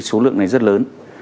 số lượng này rất lớn